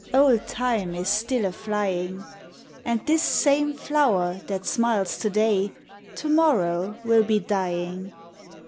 Old Time is still a Hying; And this same (lower that smiles to day To morrow will be dying.